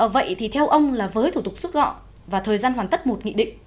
vậy thì theo ông là với thủ tục xúc lọ và thời gian hoàn tất một nghị định